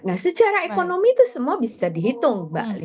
nah secara ekonomi itu semua bisa dihitung mbak ali